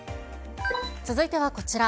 続いてはこちら。